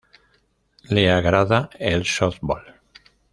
Le agrada el softbol.